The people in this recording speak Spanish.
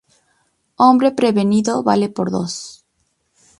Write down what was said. Hombre prevenido, vale por dos